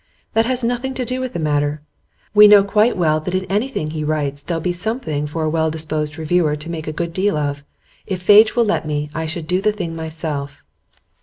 'That has nothing to do with the matter. We know quite well that in anything he writes there'll be something for a well disposed reviewer to make a good deal of. If Fadge will let me, I should do the thing myself.